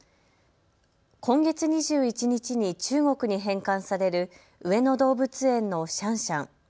今月２１日に中国に返還される上野動物園のシャンシャン。